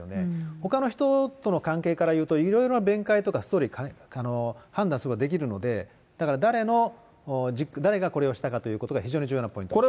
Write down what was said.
ほかの人との関係からいうと、いろいろな弁解とかストーリー、判断することができるので、だから、誰の、誰がこれをしたかということが、非常に重要なポイントです。